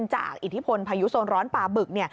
อิทธิพลพายุโซนร้อนปลาบึก